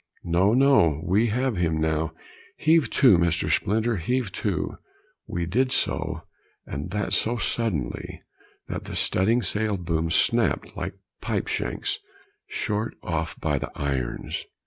No, no, we have him now; heave to Mr. Splinter, heave to!" We did so, and that so suddenly, that the studding sail booms snapped like pipe shanks short off by the irons.